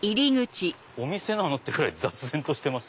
お店？ってぐらい雑然としてます。